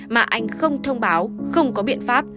mà anh không thông báo không có biện pháp